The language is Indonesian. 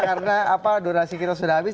karena apa durasi kita sudah habis